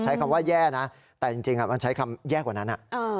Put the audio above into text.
ใช้คำว่าแย่นะแต่จริงมันใช้คำแย่กว่านั้น